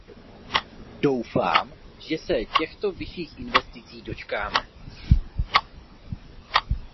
Doufám, že se těchto vyšších investicí dočkáme.